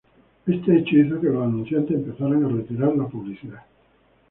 Este hecho hizo que los anunciantes empezaran a retirar publicidad.